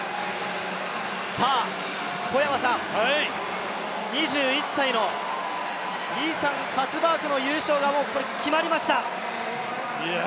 さあ、小山さん、２１歳のイーサン・カツバーグの優勝が決まりました。